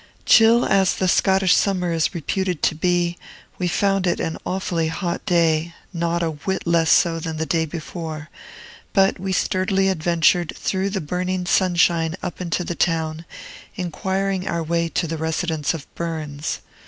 Chill as the Scottish summer is reputed to be, we found it an awfully hot day, not a whit less so than the day before; but we sturdily adventured through the burning sunshine up into the town, inquiring our way to the residence of Burns.